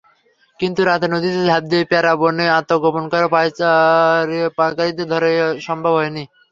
কিন্তু রাতে নদীতে ঝাঁপ দিয়ে প্যারাবনে আত্মগোপন করায় পাচারকারীদের ধরা সম্ভব হয়নি।